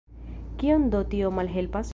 Kion do tio malhelpas?